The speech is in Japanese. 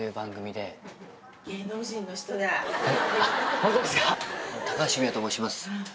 ホントですか？